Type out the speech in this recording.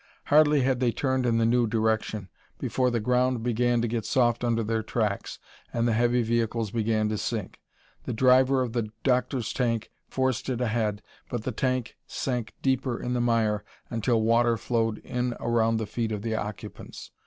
Hardly had they turned in the new direction before the ground began to get soft under their tracks and the heavy vehicles began to sink. The driver of the Doctor's tank forced it ahead, but the tank sank deeper in the mire until water flowed in around the feet of the occupants.